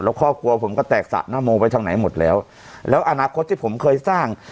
แล้วครอบครัวผมก็แตกสระหน้าโมไปทางไหนหมดแล้วแล้วอนาคตที่ผมเคยสร้าง